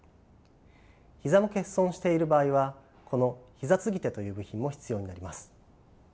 膝も欠損している場合はこの膝継手という部品も必要になります。